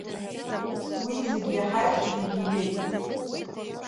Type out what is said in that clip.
Уи зегь иаҳаит, зегьы ибеит.